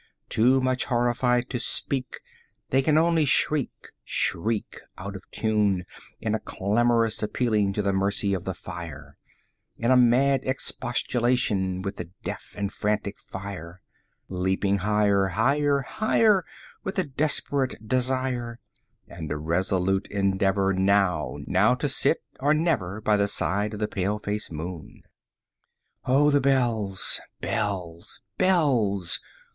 40 Too much horrified to speak, They can only shriek, shriek, Out of tune, In a clamorous appealing to the mercy of the fire, In a mad expostulation with the deaf and frantic fire, 45 Leaping higher, higher, higher, With a desperate desire, And a resolute endeavor Now now to sit or never, By the side of the pale faced moon. 50 Oh, the bells, bells, bells!